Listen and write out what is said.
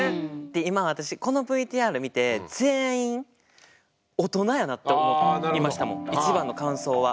今私このＶＴＲ見て全員大人やなって思いましたもんいちばんの感想は。